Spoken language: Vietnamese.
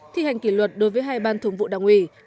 thi hành kỷ luật đối với hai ban thường vụ đảng ủy